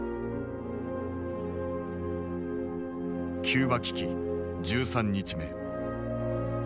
キューバ危機１３日目。